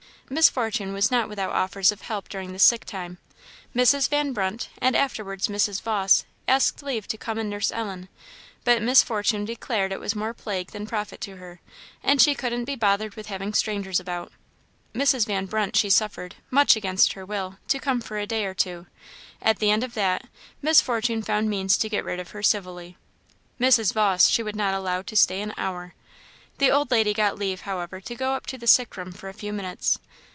Miss Fortune was not without offers of help during this sick time. Mrs. Van Brunt, and afterwards Mrs. Vawse, asked leave to come and nurse Ellen; but Miss Fortune declared it was more plague than profit to her; and she couldn't be bothered with having strangers about. Mrs. Van Brunt she suffered, much against her will, to come for a day or two: at the end of that, Miss Fortune found means to get rid of her civilly. Mrs. Vawse she would not allow to stay an hour. The old lady got leave, however, to go up to the sick room for a few minutes.